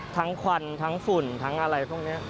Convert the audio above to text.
ควันทั้งฝุ่นทั้งอะไรพวกนี้